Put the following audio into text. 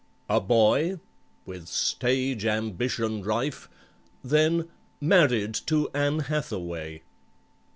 "A boy," with stage ambition rife, Then "Married to ANN HATHAWAY."